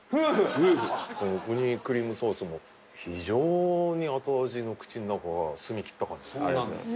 このウニクリームソースも非常に後味の口の中が澄み切った感じそうなんですよ